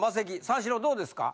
三四郎どうですか？